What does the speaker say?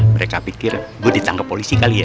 mereka pikir gue ditangkap polisi kali ya